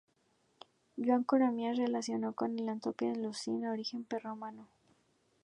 Joan Corominas lo relacionó con el antropónimo "Lucius", de origen prerromano.